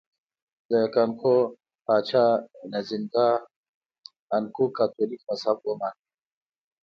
د کانګو پاچا نزینګا ا نکؤو کاتولیک مذهب ومانه.